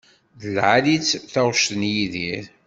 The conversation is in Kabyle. Lɛali-tt taɣect n Yidir.